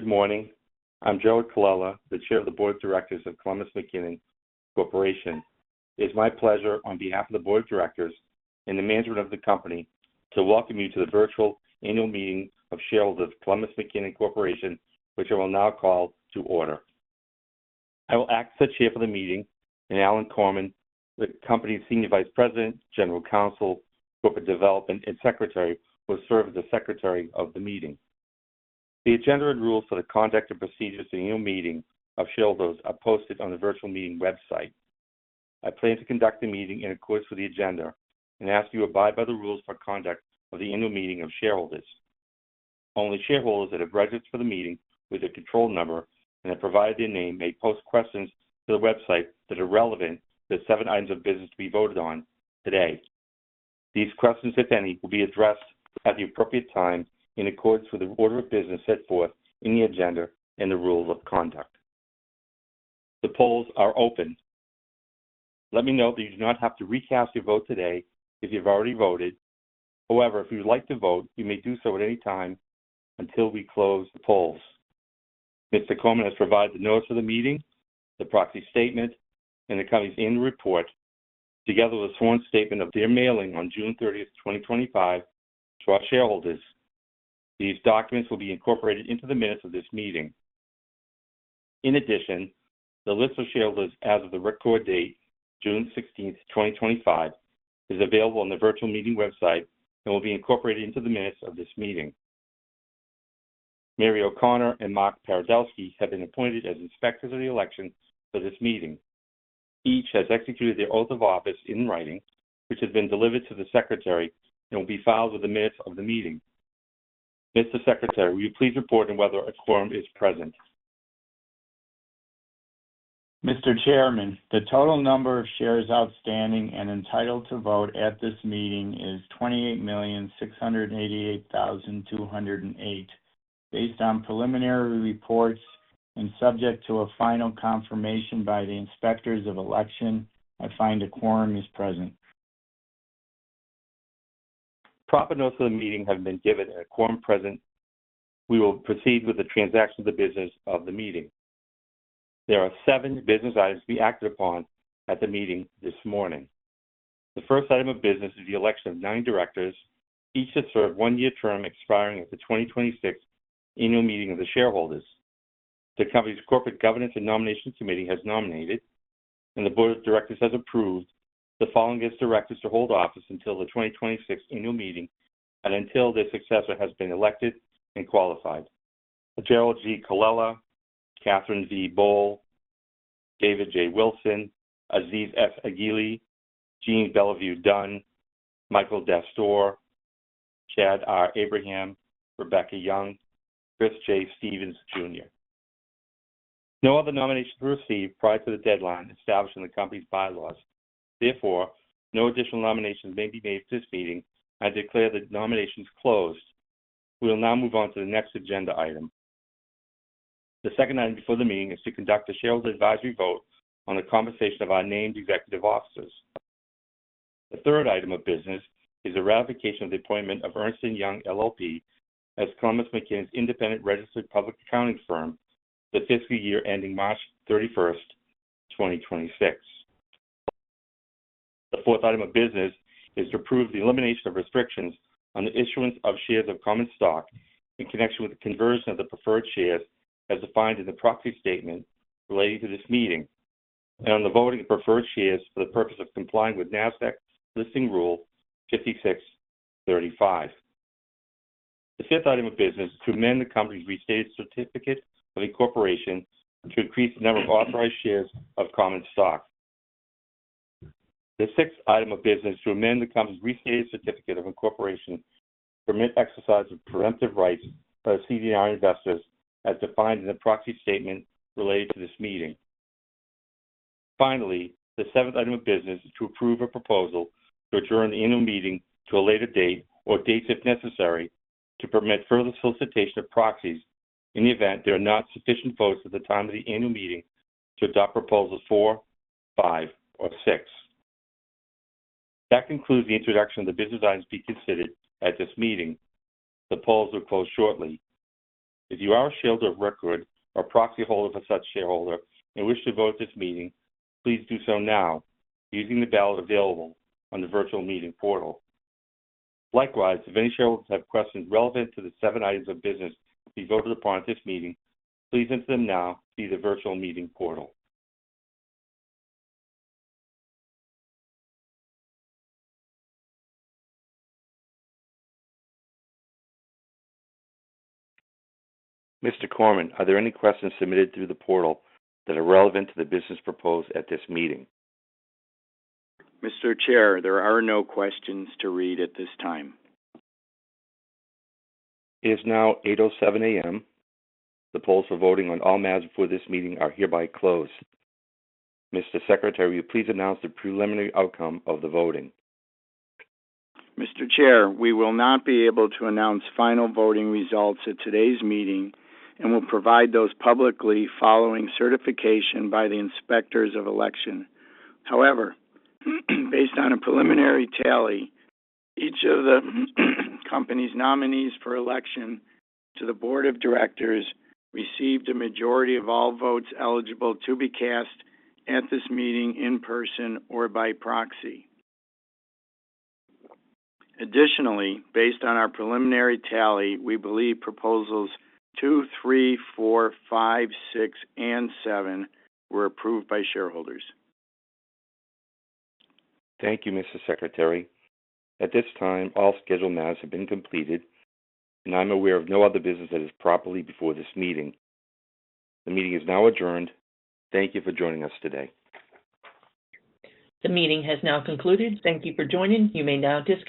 Good morning. I'm Gerald Colella, the Chair of the Board of Directors of Columbus McKinnon Corporation. It is my pleasure, on behalf of the Board of Directors and the Management of the company, to welcome you to the virtual annual meeting of shareholders of Columbus McKinnon Corporation, which I will now call to order. I will act as the Chief of the Meeting, and Alan Korman, the Company's Senior Vice President, General Counsel, Corporate Development, and Secretary, will serve as the Secretary of the Meeting. The agenda and rules for the conduct and procedures of the annual meeting of shareholders are posted on the virtual meeting website. I plan to conduct the meeting in accordance with the agenda and ask you to abide by the rules for conduct of the annual meeting of shareholders. Only shareholders that have registered for the meeting with a control number and have provided their name may post questions to the website that are relevant to the seven items of business to be voted on today. These questions, if any, will be addressed at the appropriate time in accordance with the order of business set forth in the agenda and the rules of conduct. The polls are open. Let me note that you do not have to recast your vote today if you have already voted. However, if you would like to vote, you may do so at any time until we close the polls. Mr. Korman has provided the notice of the meeting, the proxy statement, and the company's annual report, together with a sworn statement of their mailing on June 30, 2025, to our shareholders. These documents will be incorporated into the minutes of this meeting. In addition, the list of shareholders as of the record date, June 16, 2025, is available on the virtual meeting website and will be incorporated into the minutes of this meeting. Mary O'Connor and Mark Paradowski have been appointed as inspectors of the election for this meeting. Each has executed their oath of office in writing, which has been delivered to the Secretary and will be filed with the minutes of the meeting. Mr. Secretary, will you please report on whether a quorum is present? Mr. Chairman, the total number of shares outstanding and entitled to vote at this meeting is 28,688,208. Based on preliminary reports and subject to a final confirmation by the inspectors of election, I find a quorum is present. Proper notice of the meeting has been given and a quorum is present. We will proceed with the transaction of the business of the meeting. There are seven business items to be acted upon at the meeting this morning. The first item of business is the election of nine directors, each to serve a one-year term expiring at the 2026 annual meeting of the shareholders. The company's Corporate Governance and Nomination Committee has nominated, and the Board of Directors has approved, the following guest directors to hold office until the 2026 annual meeting and until their successor has been elected and qualified: Gerald G. Colella, Kathryn V. Bohl, David J. Wilson, Aziz F. Aghili, Jeanne Beliveau-Dunn, Michael D. Defeo, Chad R. Abraham, Rebecca Young, and Chris J. Stephens, Jr. No other nominations were received prior to the deadline established in the company's bylaws. Therefore, no additional nominations may be made for this meeting. I declare the nominations closed. We will now move on to the next agenda item. The second item before the meeting is to conduct a shareholder advisory vote on the compensation of our named executive officers. The third item of business is the ratification of the appointment of Ernst & Young LLP as Columbus McKinnon's independent registered public accounting firm for the fiscal year ending March 31st, 2026. The fourth item of business is to approve the elimination of restrictions on the issuance of shares of common stock in connection with the conversion of the preferred shares as defined in the proxy statement related to this meeting and on the voting of preferred shares for the purpose of complying with NASDAQ listing rule 5635. The fifth item of business is to amend the company's restated certificate of incorporation to increase the number of authorized shares of common stock. The sixth item of business is to amend the company's restated certificate of incorporation to permit exercise of preemptive rights of CDI investors as defined in the proxy statement related to this meeting. Finally, the seventh item of business is to approve a proposal to adjourn the annual meeting to a later date or dates if necessary to permit further solicitation of proxies in the event there are not sufficient votes at the time of the annual meeting to adopt proposal four, five, or six. That concludes the introduction of the business items to be considered at this meeting. The polls will close shortly. If you are a shareholder of record or a proxy holder for such shareholder and wish to vote at this meeting, please do so now using the ballot available on the virtual meeting portal. Likewise, if any shareholders have questions relevant to the seven items of business to be voted upon at this meeting, please enter them now via the virtual meeting portal. Mr. Korman, are there any questions submitted through the portal that are relevant to the business proposed at this meeting? Mr. Chair, there are no questions to read at this time. It is now 8:07 A.M. The polls for voting on all matters before this meeting are hereby closed. Mr. Secretary, will you please announce the preliminary outcome of the voting? Mr. Chair, we will not be able to announce final voting results at today's meeting and will provide those publicly following certification by the inspectors of election. However, based on a preliminary tally, each of the company's nominees for election to the Board of Directors received a majority of all votes eligible to be cast at this meeting in person or by proxy. Additionally, based on our preliminary tally, we believe proposals two, three, four, five, six, and seven were approved by shareholders. Thank you, Mr. Secretary. At this time, all scheduled matters have been completed, and I'm aware of no other business that is properly before this meeting. The meeting is now adjourned. Thank you for joining us today. The meeting has now concluded. Thank you for joining. You may now disconnect.